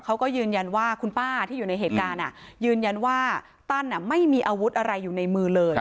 เขาก็ยืนยันว่าคุณป้าที่อยู่ในเหตุการณ์ยืนยันว่าตั้นไม่มีอาวุธอะไรอยู่ในมือเลย